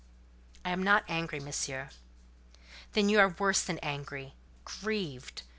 "I am not angry, Monsieur." "Then you are worse than angry—grieved.